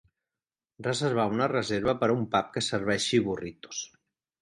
Reservar una reserva per a un pub que serveixi burritos